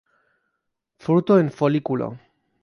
Fruto en folículo.